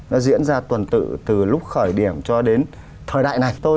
nó diễn ra tuần tự từ lúc khởi điểm cho đến thời đại này tôi